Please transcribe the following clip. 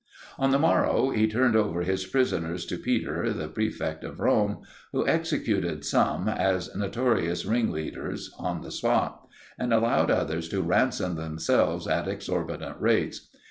On the morrow he turned over his prisoners to Peter, the prefect of Rome; who executed some, as notorious ringleaders, on the spot; and allowed others to ransom themselves at exorbitant rates.